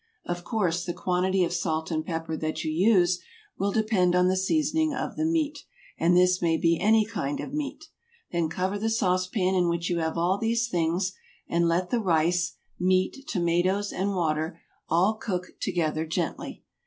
Of course, the quantity of salt and pepper that you use will depend on the seasoning of the meat, and this may be any kind of meat. Then cover the sauce pan in which you have all these things and let the rice, meat, tomatoes and water all cook together gently.